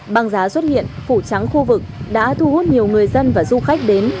băng giá xuất hiện phủ trắng khu vực đã thu hút nhiều người dân và du khách đến